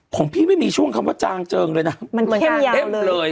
ของพี่ไม่มีช่วงคำว่าจางเจิงเลยนะเห็นเลย